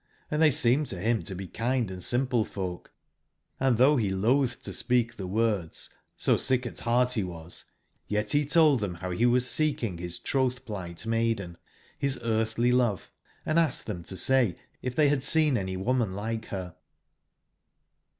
Hnd they seemed to bim to be kind and simple folk, and though be loathed to speak the words, so sick at heart be was, yet be told them bow be was seeking bis troth /plight maiden, his earthly love, and asked them to say if they bad seen any woman like her.